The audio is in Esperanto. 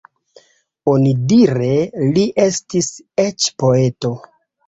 Onidire li estis eĉ poeto.